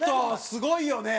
すごいよね？